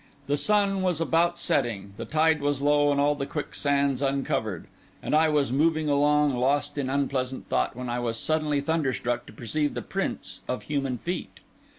The sun was about setting; the tide was low, and all the quicksands uncovered; and I was moving along, lost in unpleasant thought, when I was suddenly thunderstruck to perceive the prints of human feet.